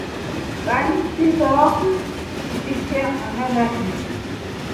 Van Peborgh fut expert en avarie.